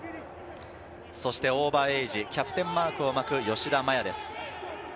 オーバーエイジ、キャプテンマークを巻く吉田麻也です。